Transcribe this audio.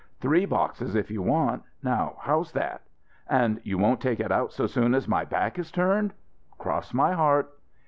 "Three boxes if you want. Now, how's that?" "And you won't take it out so soon as my back is turned?" "Cross my heart."